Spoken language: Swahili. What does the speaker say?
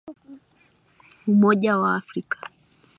Umoja wa Afrika